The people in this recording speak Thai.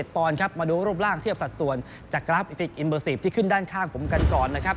๑๓๗ปอนด์ครับมาดูรูปร่างเทียบสัดส่วนจากกราฟที่ขึ้นด้านข้างผมกันก่อนนะครับ